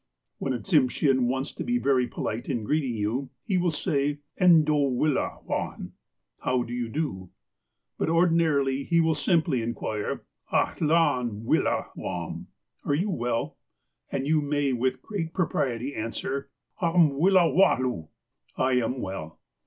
' When a Tsimshean wants to be very polite in greeting you, he will say :'' Endohwillahwabn," "How do you do ?" But ordinarily he will simj)ly inquire, " Athlahm willah wahni," "Are you well?" and you may with great propriety answer: " Ahmwillahwahloo," "I am well."